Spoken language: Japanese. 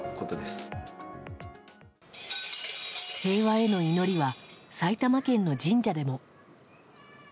平和への祈りは埼玉県の神社でも。